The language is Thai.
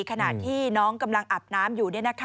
ขณะที่น้องกำลังอาบน้ำอยู่